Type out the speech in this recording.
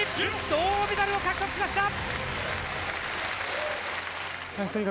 銅メダルを獲得しました！